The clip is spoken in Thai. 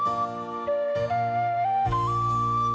บ๊ายบาย